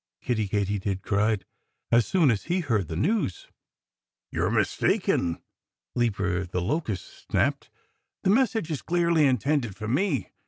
Kiddie Katydid cried, as soon as he heard the news. "You're mistaken!" Leaper the Locust snapped. "The message is clearly intended for me.